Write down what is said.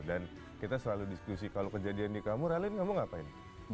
dan kita selalu diskusi kalau kejadian di kamur alin kamu ngapain